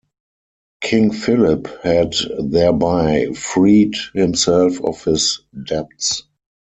King Philip had thereby freed himself of his debts.